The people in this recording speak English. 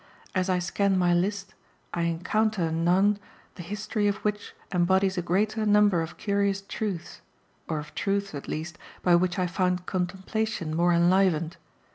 As I scan my list I encounter none the "history" of which embodies a greater number of curious truths or of truths at least by which I find contemplation more enlivened.